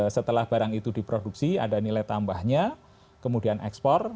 setelah barang itu diproduksi ada nilai tambahnya kemudian ekspor